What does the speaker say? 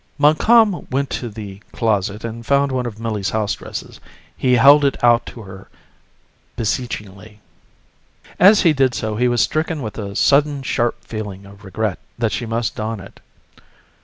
Montcalm went to the closet and found one of Millie's house dresses. He held it out to her beseechingly. As he did so, he was stricken with a sudden sharp feeling of regret that she must don it.